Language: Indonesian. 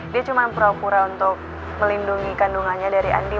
dia cuma pura pura untuk melindungi kandungannya dari andi